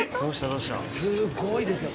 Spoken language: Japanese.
すっごいですね。